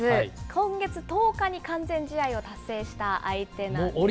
今月１０日に完全試合を達成した相手なんです。